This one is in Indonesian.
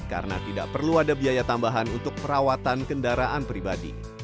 karena tidak perlu ada biaya tambahan untuk perawatan kendaraan pribadi